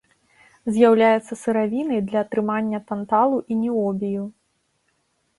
З'яўляецца сыравінай для атрымання танталу і ніобію.